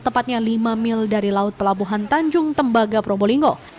tepatnya lima mil dari laut pelabuhan tanjung tembaga probolinggo